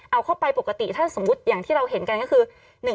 เอาเข้าไปปกติถ้าสมมุติอย่างที่เราเห็นกันก็คือ